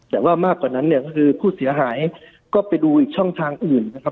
แต่ว่ามากกว่านั้นเนี่ยก็คือผู้เสียหายก็ไปดูอีกช่องทางอื่นนะครับ